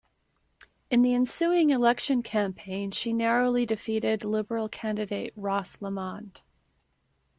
In the ensuing election campaign, she narrowly defeated Liberal candidate Ross Lamont.